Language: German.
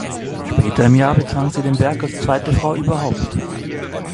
Später im Jahr bezwang sie den Berg als zweite Frau überhaupt.